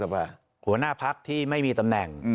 หัวหน้าพักที่ไม่มีตำแหน่ง